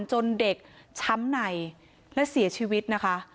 จนเด็กช้ำในและเสียชีวิตนะคะ